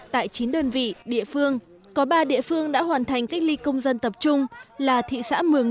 tại chín đơn vị địa phương có ba địa phương đã hoàn thành cách ly công dân tập trung là thị xã mường